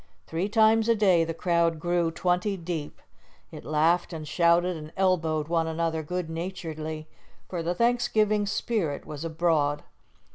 Three times a day the crowd grew twenty deep. It laughed and shouted and elbowed one another good naturedly, for the Thanksgiving spirit was abroad.